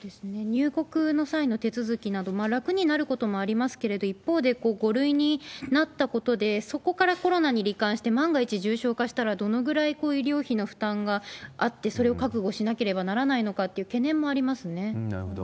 入国の際の手続きなども、楽になることもありますけれども、一方で５類になったことで、そこからコロナにり患して、万が一重症化したら、どのくらい医療費の負担があって、それを覚悟しなければななるほど。